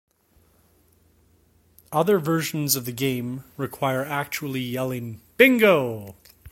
Other versions of the game require actually yelling Bingo!